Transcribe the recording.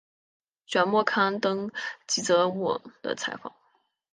卷末刊登吉泽务的采访。